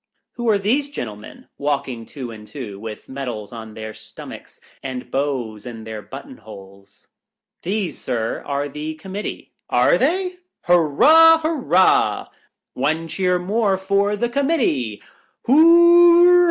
Who are these gentlemen walking two and two, with medals on their stomachs and bows in their button holes ?— These, Sir, are the Committee. — Are they 1 Hurrah ! hurrah ! One cheer more for the Committee ! Hoo o o o rah